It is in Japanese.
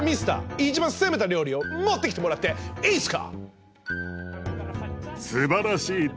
一番攻めた料理を持ってきてもらっていいっすか？